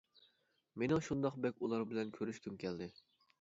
مىنىڭ شۇنداق بەك ئۇلار بىلەن كۆرۈشكۈم كەلدى.